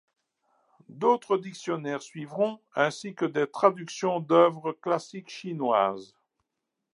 D'autres dictionnaires suivront, ainsi que des traductions d'œuvres classiques chinoises.